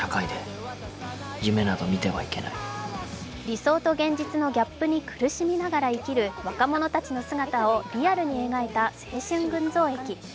理想と現実のギャップに苦しみながら生きる若者たちの姿をリアルに描いた青春群像劇。